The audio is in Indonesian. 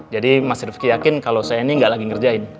jadi mas rifiki yakin kalau saya ini gak lagi ngerjain